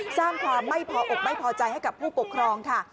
สร้างความไม่พออกไม่พอใจให้กับผู้ปกครองค่ะ